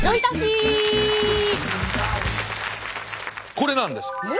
これなんです。